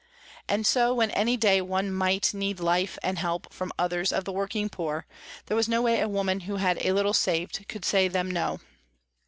And so when any day one might need life and help from others of the working poor, there was no way a woman who had a little saved could say them no.